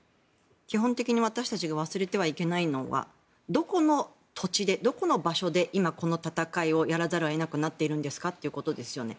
基本的に私たちが忘れてはいけないのはどこの土地でどこの場所で今、この戦いをやらざるを得なくなっているんですかということですね。